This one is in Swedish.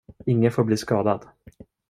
Ingen får bli skadad.